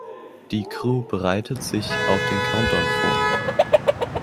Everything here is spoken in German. Die Crew bereitet sich auf den Countdown vor.